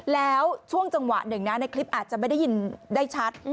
แล้วช่วงจังหวะหนึ่งนะในคลิปอาจจะไม่ได้ยินได้ชัด